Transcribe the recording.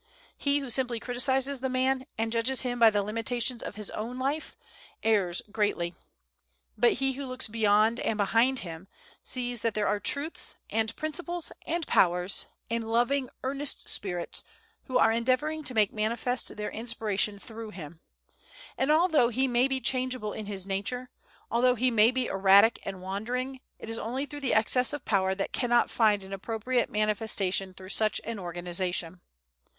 He who simply criticizes the man, and judges him by the limitations of his own life, errs greatly. But he who looks beyond and behind him, sees that there are truths, and principles, and powers, and loving, earnest spirits, who are endeavoring to make manifest their inspiration through him; and although he may be changeable in his nature, although he may be erratic and wandering, it is only through the excess of power that cannot find an appropriate manifestation through such an organization.